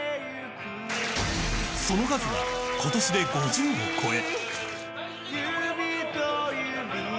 その数は今年で５０を超え。